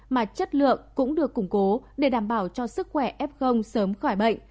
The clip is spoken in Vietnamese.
mà chất lượng cũng được củng cố để đảm bảo cho sức khỏe f sớm khỏi bệnh